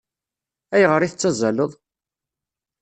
Ayɣer i tettazzaleḍ?